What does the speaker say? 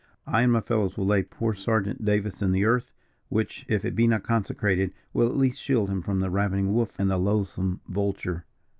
I and my fellows will lay poor Sergeant Davis in the earth, which, if it be not consecrated, will at least shield him from the ravening wolf and the loathsome vulture."